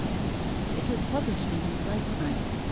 It was published in his lifetime.